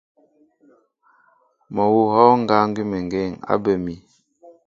Mɔ awʉ̌ a hɔ́ɔ́ŋ ŋgá ŋgʉ́əŋgeŋ á bə mi.